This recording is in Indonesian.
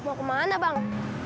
mau ke mana bang